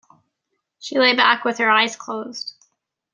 She lay back with her eyes closed.